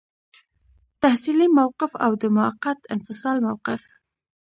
تحصیلي موقف او د موقت انفصال موقف.